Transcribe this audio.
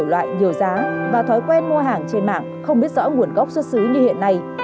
loại nhiều giá và thói quen mua hàng trên mạng không biết rõ nguồn gốc xuất xứ như hiện nay